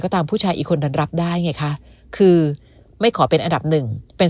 ตามผู้ชายอีกคนดันรับได้ไงคะคือไม่ขอเป็นอันดับหนึ่งเป็น